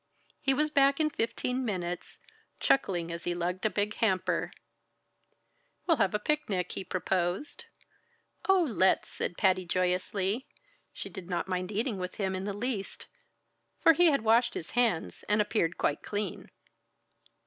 He was back in fifteen minutes, chuckling as he lugged a big hamper. "We'll have a picnic," he proposed. "Oh, let's!" said Patty joyously. She did not mind eating with him in the least, for he had washed his hands, and appeared quite clean.